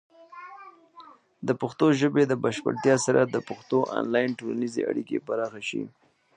د پښتو ژبې د بشپړتیا سره، د پښتنو آنلاین ټولنیزې اړیکې پراخه شي.